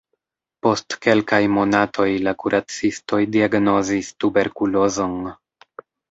Post kelkaj monatoj la kuracistoj diagnozis tuberkulozon.